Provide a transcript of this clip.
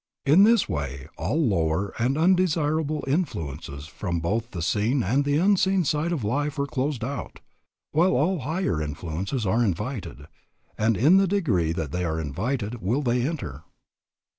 In this way all lower and undesirable influences from both the seen and the unseen side of life are closed out, while all higher influences are invited, and in the degree that they are invited will they enter.